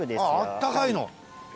あったかいの？